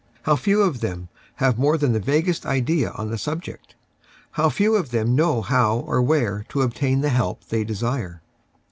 How few of them have more than the vaguest ideas on the subject ! How few of them know how or where to obtain the help they desire